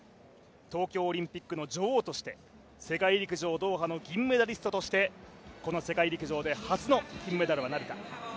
東京オリンピックの女王として世界陸上ドーハの銀メダリストとしてこの世界陸上で初の金メダルはなるか。